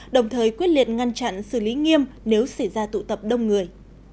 đồng thời quyết liệt ngăn chặn xử lý nghiêm nếu xảy ra tụ tập đông người